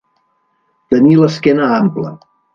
Tenir l'esquena ampla.